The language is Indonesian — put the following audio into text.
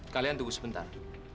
kalian tunggu sebentar